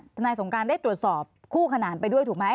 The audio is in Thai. นายสงการได้ตรวจสอบคู่ขนานไปด้วยถูกไหม